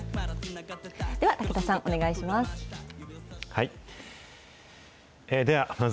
では、武田さん、お願いします。